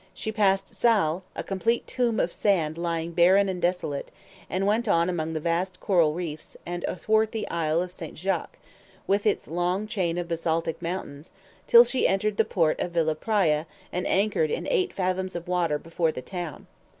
She passed Sal, a complete tomb of sand lying barren and desolate, and went on among the vast coral reefs and athwart the Isle of St. Jacques, with its long chain of basaltic mountains, till she entered the port of Villa Praya and anchored in eight fathoms of water before the town.